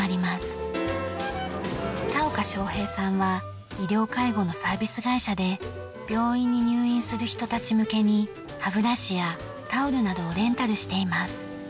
田岡将平さんは医療介護のサービス会社で病院に入院する人たち向けに歯ブラシやタオルなどをレンタルしています。